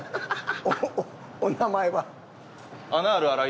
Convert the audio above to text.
おお名前は？